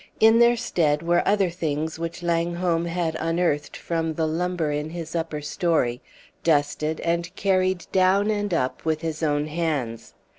In their stead were other things which Langholm had unearthed from the lumber in his upper story, dusted, and carried down and up with his own hands.